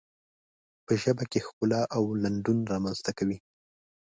په ژبه کې ښکلا او لنډون رامنځته کوي.